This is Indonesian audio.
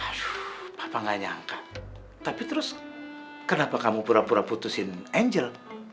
hah papa gak nyangka tapi terus kenapa kamu pura pura putusin angel